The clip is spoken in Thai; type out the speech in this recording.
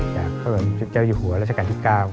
จากเจ้าอยู่หัวราชกาลที่๙